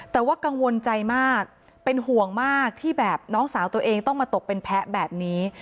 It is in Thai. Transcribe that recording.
แต่ว่ากังวลใจมากเป็นห่วงมากที่แบบน้องสาวตัวเองต้องมาตกเป็นแพ้แบบนี้